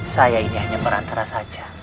saya ini hanya perantara saja